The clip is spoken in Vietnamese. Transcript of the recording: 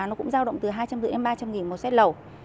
nó cũng giao động từ hai trăm năm mươi ba trăm linh nghìn một set lầu